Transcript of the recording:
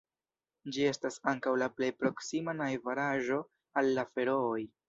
Ĝi estas ankaŭ la plej proksima najbaraĵo al la Ferooj.